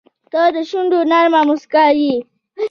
• ته د شونډو نرمه موسکا یې.